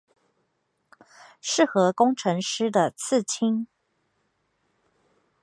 適合工程師的刺青